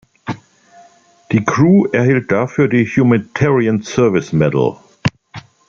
Die Crew erhielt dafür die Humanitarian Service Medal.